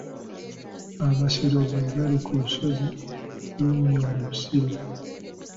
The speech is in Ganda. Amasiro ge gali ku lusozi Lunnyo mu Busiro.